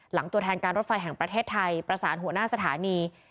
ตัวแทนการรถไฟแห่งประเทศไทยประสานหัวหน้าสถานี